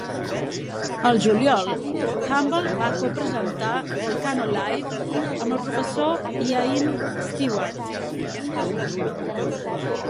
Al juliol, Humble va copresentar "Volcano Live" amb el professor Iain Stewart.